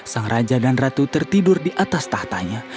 sang raja dan ratu tertidur di atas tahtanya